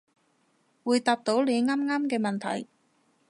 會答到你啱啱嘅問題